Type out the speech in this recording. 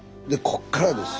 こっから。